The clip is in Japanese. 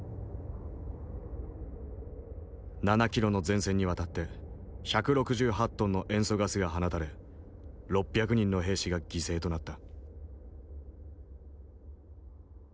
７キロの前線にわたって１６８トンの塩素ガスが放たれ６００人の兵士が犠牲となった。